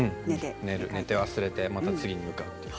寝て忘れてまた次に向かうと。